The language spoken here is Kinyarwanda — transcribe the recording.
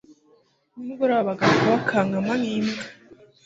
nimugoroba bagaruka bakankama nk'imbwa